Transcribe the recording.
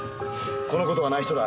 この事は内緒だ。